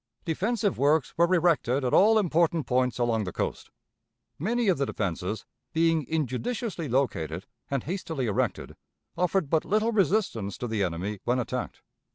Defensive works were erected at all important points along the coast. Many of the defenses, being injudiciously located and hastily erected, offered but little resistance to the enemy when attacked.